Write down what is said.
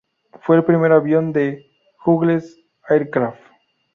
Fue el primer avión de Hughes Aircraft.